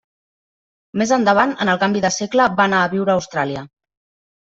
Més endavant, en el canvi de segle, va anar a viure a Austràlia.